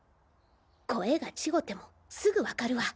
声が違てもすぐわかるわ！